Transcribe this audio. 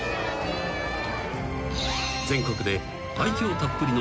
［全国で愛嬌たっぷりの］